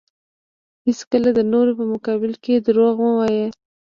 هیڅکله د نورو په مقابل کې دروغ مه وایه.